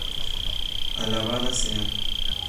Alabada sea.